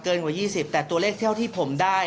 กว่า๒๐แต่ตัวเลขเท่าที่ผมได้